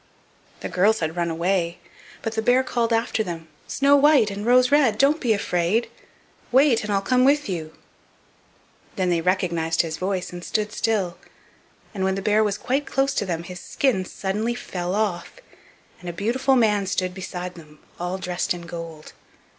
The girls had run away, but the bear called after them: "Snow white and Rose red, don't be afraid; wait, and I'll come with you." Then they recognized his voice and stood still, and when the bear was quite close to them his skin suddenly fell off, and a beautiful man stood beside them, all dressed in gold.